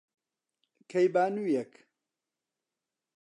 کەیبانوویەک،